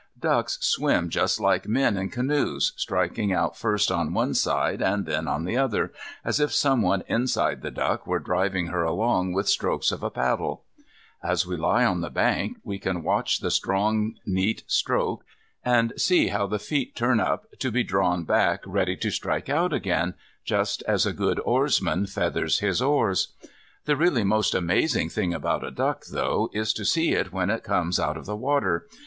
Ducks swim just like men in canoes, striking out first on one side and then on the other, as if someone inside the duck were driving her along with strokes of a paddle. As we lie on the bank, we can watch the strong neat stroke, and see how the feet turn up to be drawn back ready to strike out again, just as a good oarsman feathers his oars. The really most amazing thing about a duck, though, is to see it when it comes out of the water.